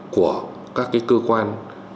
của các cơ quan